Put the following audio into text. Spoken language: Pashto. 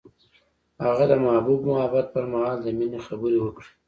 هغه د محبوب محبت پر مهال د مینې خبرې وکړې.